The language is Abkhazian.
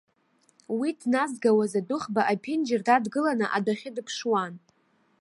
Уи дназгауаз адәыӷба аԥенџьыр дадгыланы адәахьы дыԥшуан.